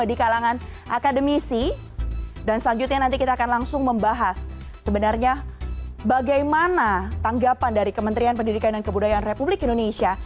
di kalangan akademisi dan selanjutnya nanti kita akan langsung membahas sebenarnya bagaimana tanggapan dari kementerian pendidikan dan kebudayaan republik indonesia